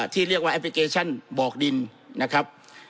ที่เรียกว่าแอปพลิเคชันบอกดินนะครับ